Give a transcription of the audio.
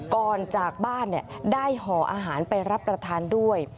ก่อนจากบ้านได้ห่ออาหารไปรับประทานด้วย